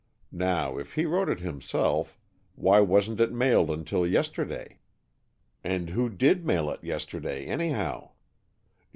Now if he wrote it himself, why wasn't it mailed until yesterday? And who did mail it yesterday, anyhow?